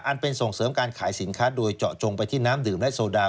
เป็นส่งเสริมการขายสินค้าโดยเจาะจงไปที่น้ำดื่มและโซดา